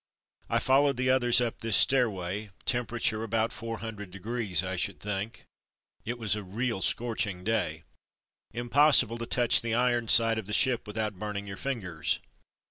I followed the others up this stairway: temperature about four hund red degrees I should think. It was a real scorching day: impossible to touch the iron side of the ship without burning your fingers.